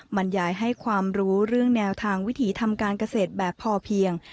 บรรยายให้ความรู้เรื่องแนวทางวิถีทำการเกษตรแบบพอเพียง